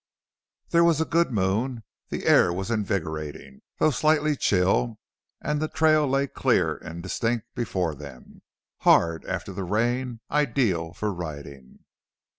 There was a good moon; the air was invigorating, though slightly chill, and the trail lay clear and distinct before them, hard after the rain, ideal for riding.